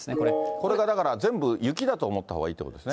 これからだから全部雪だと思ったほうがいいということですね。